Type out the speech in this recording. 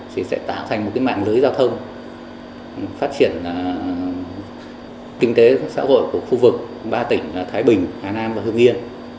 nối từ hà nam sang ngư nghiên sẽ tạo thành một mạng lưới giao thông phát triển kinh tế xã hội của khu vực ba tỉnh thái bình hà nam và hưng hia